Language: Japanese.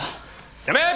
やめ！